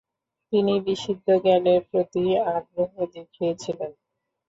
তিনি বিশুদ্ধ জ্ঞানের প্রতি আগ্রহ দেখিয়েছিলেন।